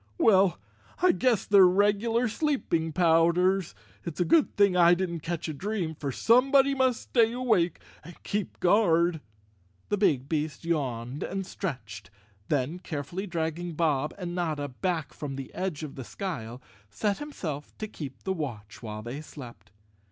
"Well, I guess they're regular sleep¬ ing powders. It's a good thing I didn't catch a dream, for somebody must stay awake and keep guard." The 152 Chapter Eleven big beast yawned and stretched, then carefully dragging Bob and Notta back from the edge of the skyle, set himself to keep the watch while they slept.